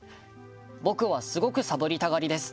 「僕は、すごくサボりたがりです。